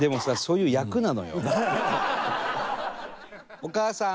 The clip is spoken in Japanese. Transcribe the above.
お母さーん。